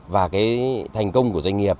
và cái thành công của doanh nghiệp